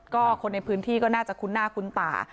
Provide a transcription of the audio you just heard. ก็คนในพื้นที่ก็น่าจะคุ้นหน้าคุ้นตา